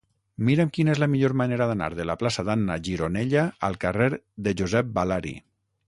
Mira'm quina és la millor manera d'anar de la plaça d'Anna Gironella al carrer de Josep Balari.